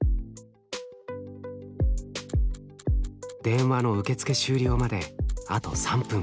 電話の受付終了まであと３分。